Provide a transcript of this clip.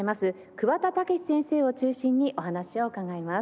桑田健先生を中心にお話を伺います。